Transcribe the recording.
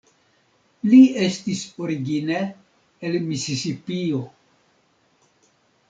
Li estis origine el Misisipio.